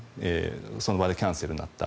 その場でキャンセルになった。